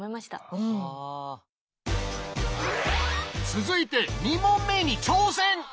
続いて２問目に挑戦！